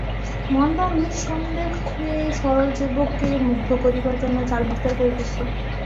মন্দা নিঃসন্দেহই সরল যুবককে মুগ্ধ করিবার জন্য জাল বিস্তার করিতেছে।